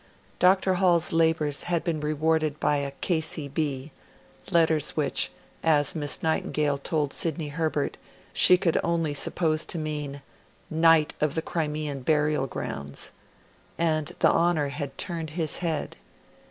Dr. Hall's labours had been rewarded by a K.C.B letters which, as Miss Nightingale told Sidney Herbert, she could only suppose to mean 'Knight of the Crimean Burial Grounds' and the honour had turned his head.